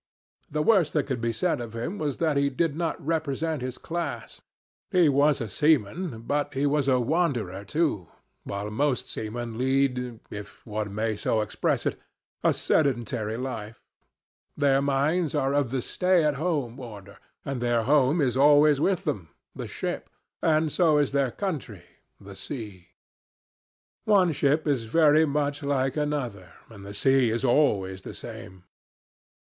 The worst that could be said of him was that he did not represent his class. He was a seaman, but he was a wanderer, too, while most seamen lead, if one may so express it, a sedentary life. Their minds are of the stay at home order, and their home is always with them the ship; and so is their country the sea. One ship is very much like another, and the sea is always the same.